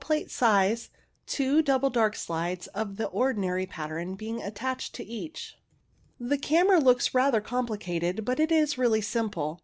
Page 141 EXETER OBSERVATIONS 141 size, two double dark slides of the ordinary pattern being attached to each. The camera looks rather complicated, but it is really simple.